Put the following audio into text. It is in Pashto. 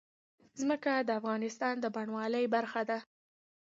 ځمکه د افغانستان د بڼوالۍ برخه ده.